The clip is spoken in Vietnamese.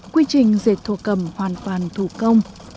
quy trình dệt thổ cầm hoàn toàn thủ công